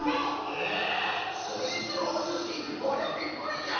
えスイーツのおすし！こりゃびっくりじゃ！